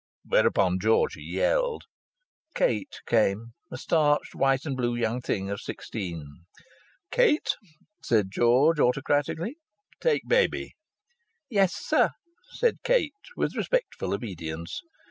Whereupon Georgie yelled. Kate came, a starched white and blue young thing of sixteen. "Kate," said George, autocratically, "take baby." "Yes, sir," said Kate, with respectful obedience.